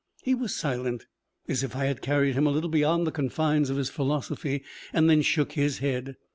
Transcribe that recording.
He was silent, as if I had carried him a little beyond the confines of his philosophy; then shook his head.